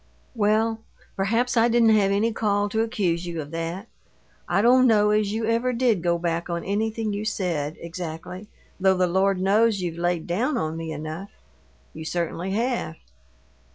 "Well, perhaps I didn't have any call to accuse you of that. I don't know as you ever did go back on anything you said, exactly, though the Lord knows you've laid down on me enough. You certainly have!"